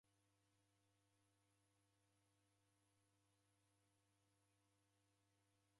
Fundi wameria kazi yape